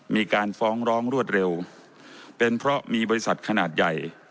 มีการฟ้องร้องรวดเร็วเป็นเพราะมีบริษัทขนาดใหญ่